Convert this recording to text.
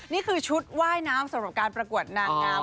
นี่คือชุดว่ายน้ำสำหรับการประกวดนางงาม